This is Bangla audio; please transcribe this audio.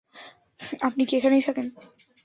আপনি কি এখানেই থাকেন?